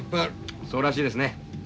そうらしいですね。